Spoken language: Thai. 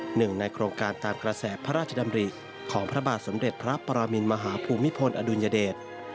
หนึ่งในโครงการตามกระแสพระราชดำริของพระบาทสมเด็จพระปรมินมหาภูมิพลอดุลยเดช